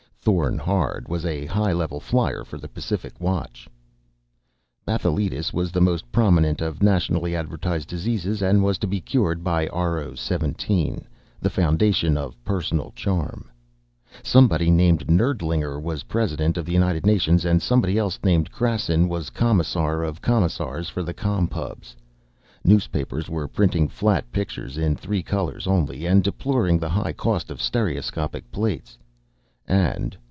Thorn Hard was a high level flier for the Pacific Watch. Bathyletis was the most prominent of nationally advertised diseases, and was to be cured by RO 17, "The Foundation of Personal Charm." Somebody named Nirdlinger was President of the United Nations, and somebody else named Krassin was Commissar of Commissars for the Com Pubs. Newspapers were printing flat pictures in three colors only, and deploring the high cost of stereoscopic plates. And